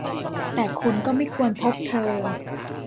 แต่คุณก็ไม่ควรพบเธอ !